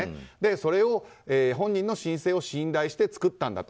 それを本人の申請を信頼して作ったんだと。